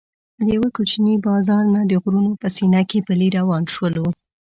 د یوه کوچني بازار نه د غرونو په سینه کې پلی روان شولو.